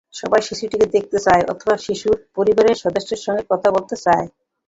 সবাই শিশুটিকে দেখতে চায় অথবা শিশুর পরিবারের সদস্যদের সঙ্গে কথা বলতে চায়।